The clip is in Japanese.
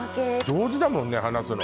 上手だもんね話すの。